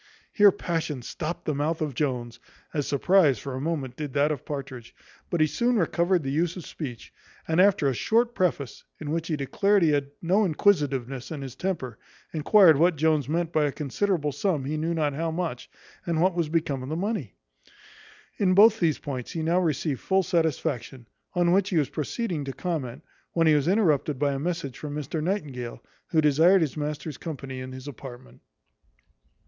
Here passion stopt the mouth of Jones, as surprize for a moment did that of Partridge; but he soon recovered the use of speech, and after a short preface, in which he declared he had no inquisitiveness in his temper, enquired what Jones meant by a considerable sum he knew not how much and what was become of the money. In both these points he now received full satisfaction; on which he was proceeding to comment, when he was interrupted by a message from Mr Nightingale, who desired his master's company in his apartment.